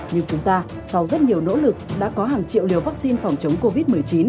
nhưng chúng ta sau rất nhiều nỗ lực đã có hàng triệu liều vaccine phòng chống covid một mươi chín